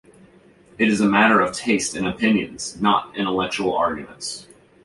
It is a matter of taste and opinions, not intellectual arguments.